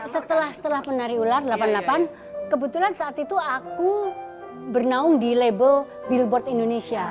setelah setelah penari ular delapan puluh delapan kebetulan saat itu aku bernaung di label billboard indonesia